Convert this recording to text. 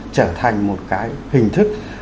trở thành một cái hình thức